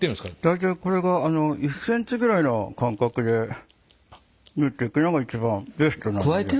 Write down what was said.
大体これが１ｃｍぐらいの間隔で縫っていくのが一番ベストな。